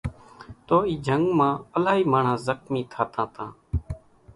تو اِي جنگ مان الائي ماڻۿان زخمي ٿاتان تان